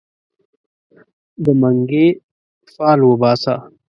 د منګې فال وباسه